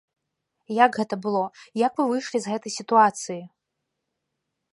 Як гэта было, як вы выйшлі з гэтай сітуацыі?